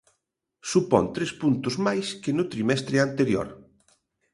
Supón tres puntos máis que no trimestre anterior.